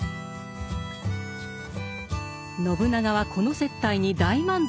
信長はこの接待に大満足だった。